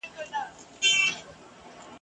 له زندانه تر آزادۍ ..